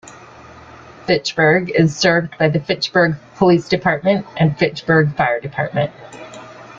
Fitchburg is served by the Fitchburg Police Department and Fitchburg Fire Department.